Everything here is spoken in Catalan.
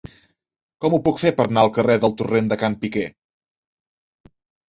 Com ho puc fer per anar al carrer del Torrent de Can Piquer?